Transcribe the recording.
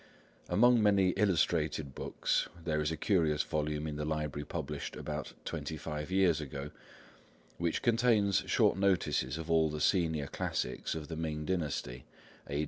Among many illustrated books, there is a curious volume in the Library published about twenty five years ago, which contains short notices of all the Senior Classics of the Ming dynasty, A.